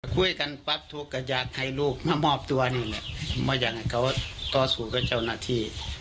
คุยกันปั๊บทุกอย่างให้ลูกมามอบตัวนี่แหละเพราะอย่างนี้เขาตอสู้กับเจ้าหน้าที่